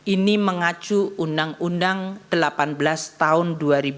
ini mengacu undang undang delapan belas tahun dua ribu dua